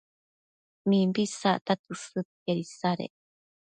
mimbi isacta tësëdtiad isadec